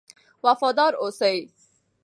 وفادار اوسئ.